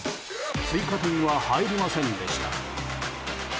追加点は入りませんでした。